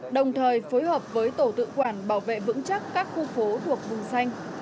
đồng thời phối hợp với tổ tự quản bảo vệ vững chắc các khu phố thuộc vùng xanh